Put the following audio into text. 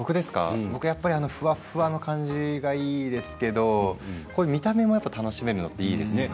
僕やっぱりふわっふわの感じがいいですけど見た目も楽しめるのっていいですよね。